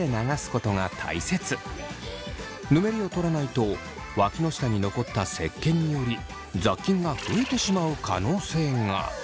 ぬめりをとらないとわきの下に残ったせっけんにより雑菌が増えてしまう可能性が。